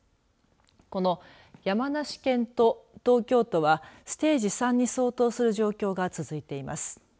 この山梨県と東京都はステージ３に相当する状況が続いています。